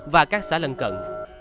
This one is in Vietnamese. và các xã lân cận